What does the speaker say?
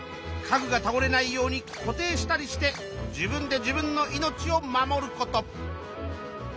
家具がたおれないように固定したりして自分で自分の命を守ること。